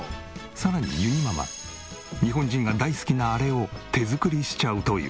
さらにゆにママ日本人が大好きなあれを手作りしちゃうという。